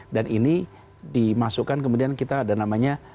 dan ini dimasukkan kemudian kita ada namanya